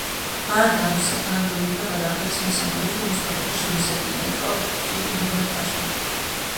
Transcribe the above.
გარდა ამისა თანამდებობიდან გადააყენეს მესამე ვეზირი მუსტაფა-ფაშა, მისი ადგილი დაიკავა ფირი მეჰმედ-ფაშამ.